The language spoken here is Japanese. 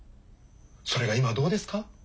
それが今どうですか？